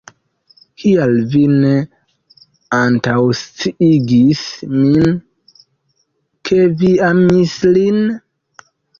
Kial vi ne antaŭsciigis min, ke vi amis lin?